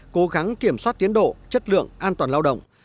cố gắng kiểm soát tiến độ chất lượng an toàn lao động